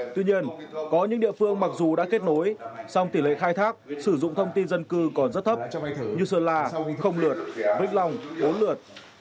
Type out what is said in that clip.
tuy nhiên có những địa phương mặc dù đã kết nối song tỷ lệ khai thác sử dụng thông tin dân cư còn rất thấp như sơn la không lượt vĩnh long bốn lượt